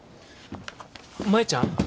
舞ちゃん。